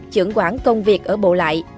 chưởng quản công việc ở bộ lại